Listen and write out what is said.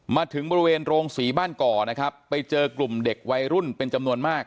มาถึงบริเวณโรงศรีบ้านก่อนะครับไปเจอกลุ่มเด็กวัยรุ่นเป็นจำนวนมาก